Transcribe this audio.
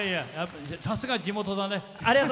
さすが地元だね。